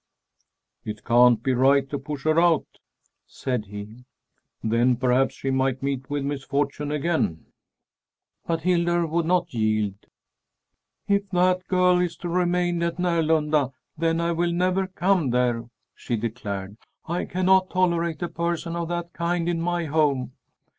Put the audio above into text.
"It can't be right to push her out," said he. "Then, perhaps, she might meet with misfortune again." But Hildur would not yield. "If that girl is to remain at Närlunda, then I will never come there," she declared. "I cannot tolerate a person of that kind in my home."